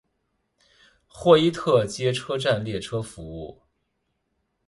霍伊特街车站列车服务。